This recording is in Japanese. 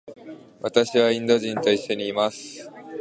私はインド人と一緒にいます。